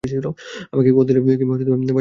আমাকে কল দিলে কিংবা বাসায় আসলেই তো হতো!